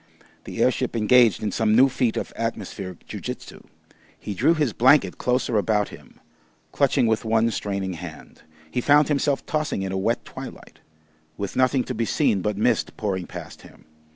The airship engaged in some new feat of atmospheric Jiu Jitsu. He drew his blanket closer about him, clutching with one straining hand. He found himself tossing in a wet twilight, with nothing to be seen but mist pouring past him.